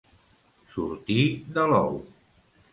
Sortir de l'ou.